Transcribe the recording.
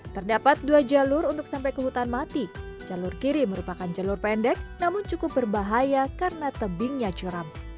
terdapat dua jalur untuk sampai ke hutan mati jalur kiri merupakan jalur pendek namun cukup berbahaya karena tebingnya curam